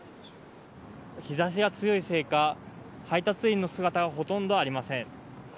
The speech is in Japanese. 日差しが強いせいか配達員の姿はほとんどありません。